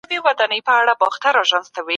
ګډ سندرې ذهني هوساینه زیاتوي.